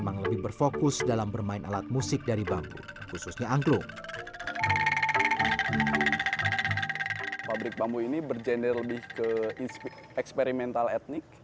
tak ada lagi hal yang lebih penting